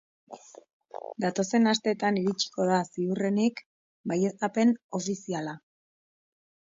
Datozen asteetan iritsiko da, ziurrenik, baieztapen ofiziala.